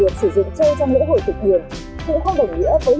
việc sử dụng trâu trong lễ hội thực hiện thì không đồng nghĩa với lễ hội này